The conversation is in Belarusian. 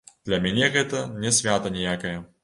Для мяне гэта не свята ніякае.